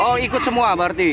oh ikut semua berarti